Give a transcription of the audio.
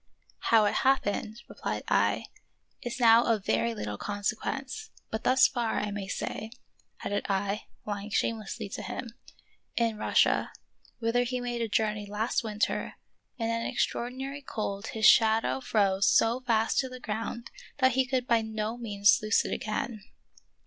^"" How it happened," replied I, " is now of very 28 The Wonderful History little consequence, but thus far I may say," added I, lying shamelessly to him, " in Russia, whither he made a journey last winter, in an extraordi nary cold his shadow froze so fast to the ground that he could by no means loose it again."